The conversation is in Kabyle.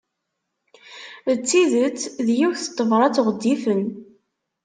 D tidet, d yiwet n tebrat ɣezzifen.